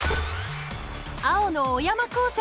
青の小山高専。